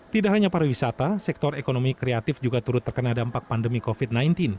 tidak hanya pariwisata sektor ekonomi kreatif juga turut terkena dampak pandemi covid sembilan belas